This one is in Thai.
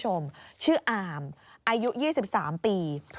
โปรดติดตามต่อไป